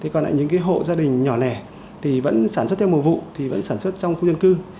còn những hộ gia đình nhỏ nẻ vẫn sản xuất theo mùa vụ vẫn sản xuất trong khu dân cư